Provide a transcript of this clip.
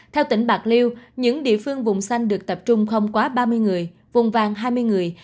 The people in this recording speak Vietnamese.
theo tỉnh bạc liêu những địa phương vùng xanh được tập trung không quá ba mươi người vùng vàng hai mươi người